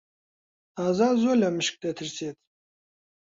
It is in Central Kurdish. ئازاد زۆر لە مشک دەترسێت.